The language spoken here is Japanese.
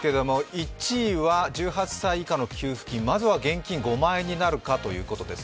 １位は１８歳以下の給付金、まずは現金５万円になるかということです。